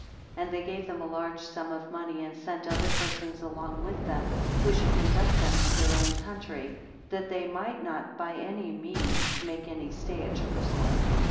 26 And they gave them a large sum of money, and sent other persons along with them, who should conduct them to their own country, that they might not by any means make any stay at Jerusalem.